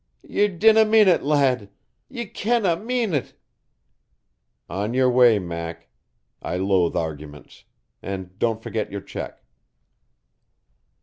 "Ye dinna mean it, lad. Ye canna mean it." "On your way, Mac. I loathe arguments. And don't forget your check."